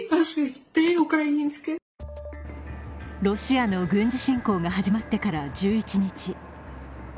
ロシアの軍事侵攻が始まってから１１日。